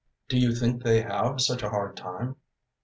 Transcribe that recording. "Do you think they have such a hard time?"